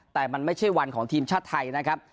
แต่มันไม่ใช่วันของทีมชาติไทยนะครับ